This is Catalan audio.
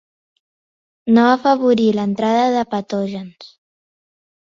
No afavorir l'entrada de patògens.